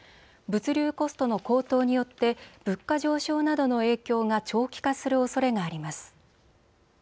物流コストの高騰によって物価上昇などの影響が長期化するおそれがあります。